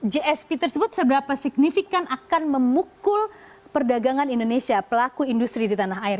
gsp tersebut seberapa signifikan akan memukul perdagangan indonesia pelaku industri di tanah air